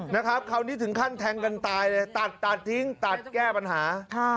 นะครับคราวนี้ถึงขั้นแทงกันตายเลยตัดตัดทิ้งตัดแก้ปัญหา